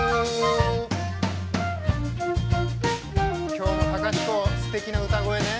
今日も隆子すてきな歌声ね！